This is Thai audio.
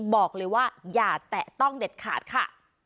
บอกเลยว่าอย่าแตะต้องเด็ดขาดค่ะ